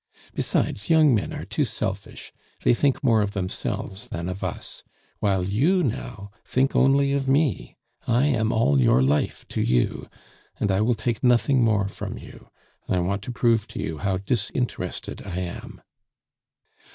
"Besides, young men are too selfish; they think more of themselves than of us; while you, now, think only of me. I am all your life to you. And I will take nothing more from you. I want to prove to you how disinterested I am."